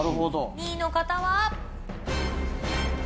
２位の方は。